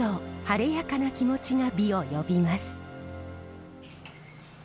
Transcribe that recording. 晴れやかな気持ちが美を呼びます。